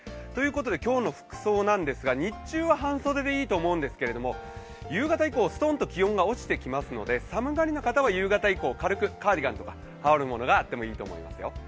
今日の服装なんですが日中は半袖でいいと思いますが夕方以降、すとんと気温が落ちてきますので、寒がりの方は夕方以降、軽くカーディガンとか羽織るものがあってもいいですよ。